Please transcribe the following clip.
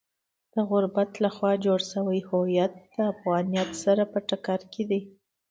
د غرب لخوا جوړ شوی هویت د افغانیت سره په ټکر کې دی.